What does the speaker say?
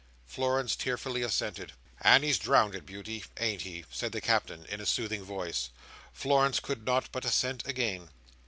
Florence tearfully assented. "And he's drownded, Beauty, ain't he?" said the Captain, in a soothing voice. Florence could not but assent again.